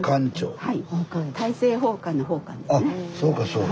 はい。